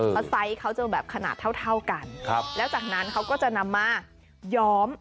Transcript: เพราะไซส์เขาจะแบบขนาดเท่ากันแล้วจากนั้นเขาก็จะนำมาย้อม